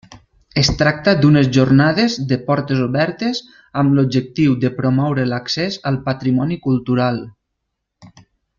Es tracta d'unes jornades de portes obertes amb l'objectiu de promoure l'accés al patrimoni cultural.